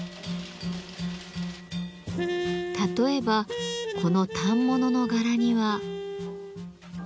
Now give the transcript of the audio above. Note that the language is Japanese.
例えばこの反物の柄には。